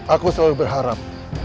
aku selalu berharap